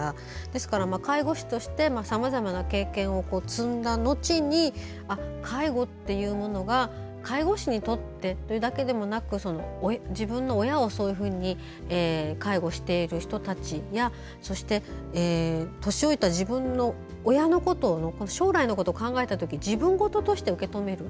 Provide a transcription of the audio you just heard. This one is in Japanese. ですから介護士としてさまざまな経験を積んだ後に介護っていうものが介護士にとってだけではなく自分の親を介護している人たちやそして年老いた自分の親のこと将来のことを考えたときに自分事として受け止める。